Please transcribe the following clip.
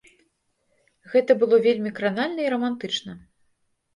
Гэта было вельмі кранальна і рамантычна.